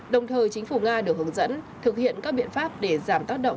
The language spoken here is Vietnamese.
đồng thời chính phủ nga được hướng dẫn thực hiện các biện pháp để giảm tác động